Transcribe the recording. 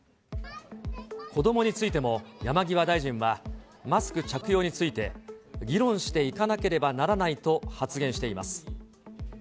子どもについても、山際大臣は、マスク着用について、議論していかなければならないと発言しています。